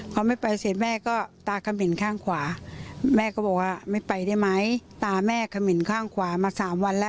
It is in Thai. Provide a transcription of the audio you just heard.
เขาไม่ไปเสร็จแม่ก็ตาเขม่นข้างขวาแม่ก็บอกว่าไม่ไปได้ไหมตาแม่เขม่นข้างขวามาสามวันแล้ว